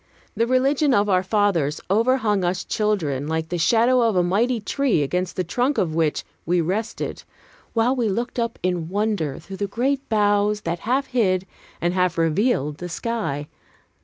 The religion of our fathers overhung us children like the shadow of a mighty tree against the trunk of which we rested, while we looked up in wonder through the great boughs that half hid and half revealed the sky.